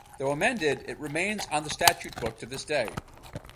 Though amended, it remains on the statute book to this day.